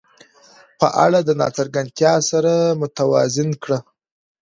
په اړه د ناڅرګندتیا سره متوازن کړه.